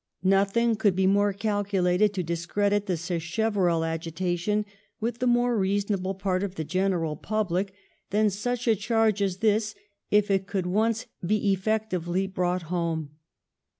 Nothing could be more calculated to dis credit the Sacheverell agitation with the more reason able part of the general public than such a charge as this if it could once be effectively brought home.